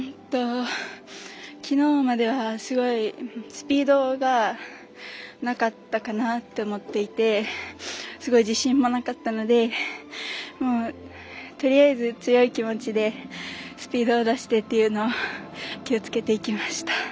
きのうまではすごい、スピードがなかったかなって思っていてすごい自信もなかったのでとりあえず強い気持ちでスピードを出してというのは気をつけていきました。